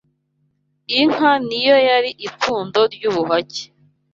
Inka ni yo yari ipfundo ry ’ubuhake